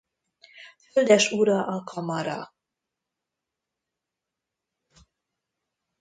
Földesura a Kamara.